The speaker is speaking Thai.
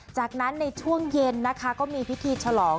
จากนั้นในช่วงเย็นนะคะก็มีพิธีฉลอง